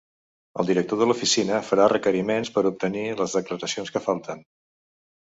El director de l’oficina farà requeriments per obtenir les declaracions que falten.